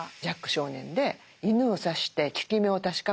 少年で犬を刺して効き目を確かめた